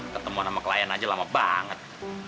ketemuan sama klien aja lama banget